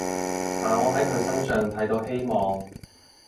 但我喺佢身上睇到希望